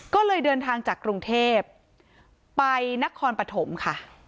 ก็เลยเดินทางจากกรุงเทพไปนครปฐมค่ะ